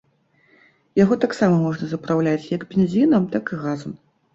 Яго таксама можна запраўляць як бензінам, так і газам.